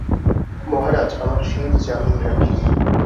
মহারাজ, আমার শির জামিন রাখিলাম।